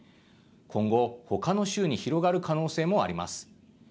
今後、他の州に広がる可能性もあります。